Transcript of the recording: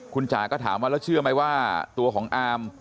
คุณจ๋าก็ถามว่าแล้วเชื่อไหมว่าตัวของอาม